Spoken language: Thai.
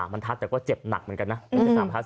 มันทัดแต่ก็เจ็บหนักเหมือนกันนะ